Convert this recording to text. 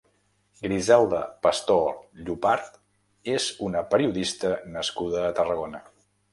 Griselda Pastor Llopart és una periodista nascuda a Tarragona.